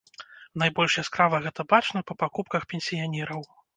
Найбольш яскрава гэта бачна па пакупках пенсіянераў.